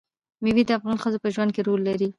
مېوې د افغان ښځو په ژوند کې رول لري.